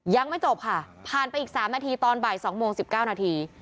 ยังไม่จบค่ะผ่านไปอีก๓นาทีตอนบ่าย๒โมง๑๙นาที